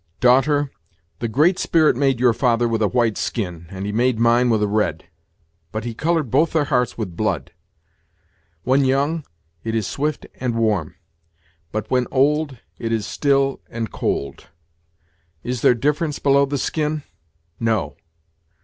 "Daughter, the Great Spirit made your father with a white skin, and he made mine with a red; but he colored both their hearts with blood. When young, it is swift and warm; but when old, it is still and cold. Is there difference below the skin? No.